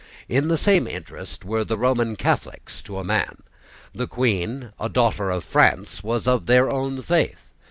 In the same interest were the Roman Catholics to a man. The Queen, a daughter of France, was of their own faith.